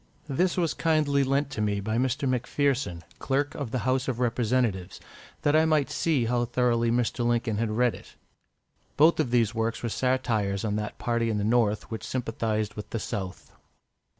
This was kindly lent to me by Mr. M'Pherson, Clerk of the House of Representatives, that I might see how thoroughly Mr. Lincoln had read it. Both of these works were satires on that party in the North which sympathised with the South.